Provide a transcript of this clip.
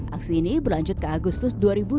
aksi ini berlanjut ke agustus dua ribu dua puluh